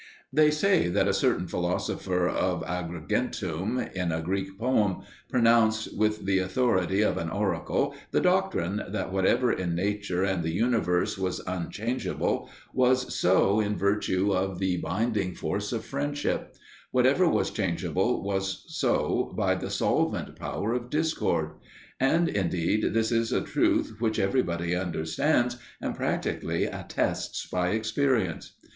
They say that a certain philosopher of Agrigentum, in a Greek poem, pronounced with the authority of an oracle the doctrine that whatever in nature and the universe was unchangeable was so in virtue of the binding force of friendship; whatever was changeable was so by the solvent power of discord. And indeed this is a truth which everybody understands and practically attests by experience.